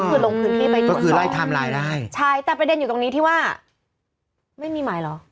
ก็คือลงพื้นที่ไปตรวจสอบใช่แต่ประเด็นอยู่ตรงนี้ที่ว่าไม่มีหมายเหรอ